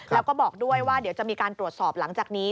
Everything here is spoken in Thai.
แล้วก็บอกด้วยว่าเดี๋ยวจะมีการตรวจสอบหลังจากนี้